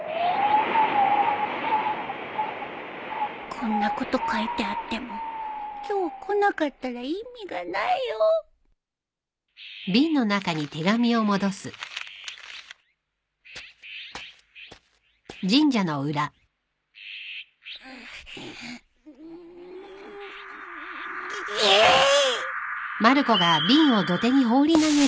こんなこと書いてあっても今日来なかったら意味がないよえいっ！